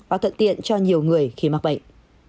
và thận tiện cho nhiều người khi mắc bệnh